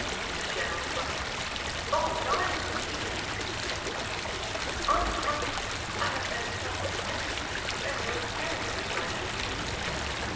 The general rose. "Oh, not in the least," said the prince. "On the contrary, I have been so much interested, I'm really very much obliged to you."